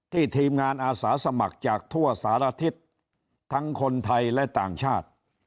ทีมงานอาสาสมัครจากทั่วสารทิศทั้งคนไทยและต่างชาติ